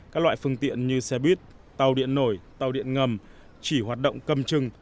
các loại phương tiện như xe buýt tàu điện nổi tàu điện ngầm chỉ hoạt động cầm chừng